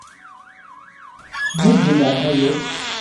Cnu-d di leɛnaya-k!